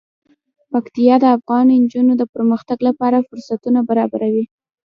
پکتیا د افغان نجونو د پرمختګ لپاره فرصتونه برابروي.